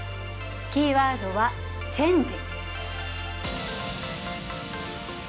キーワードは「チェンジ」。